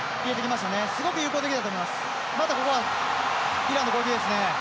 またここはイランの攻撃ですね。